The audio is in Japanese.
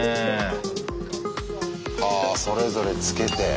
はぁそれぞれつけて。